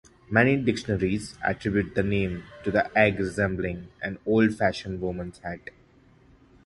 Many dictionaries attribute the name to the egg resembling an old fashioned woman's hat.